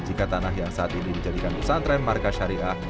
jika tanah yang saat ini dijadikan pesantren markas syariah